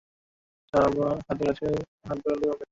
সব হাতের কাছেই আছে-হাত বাড়ালেই পাবে।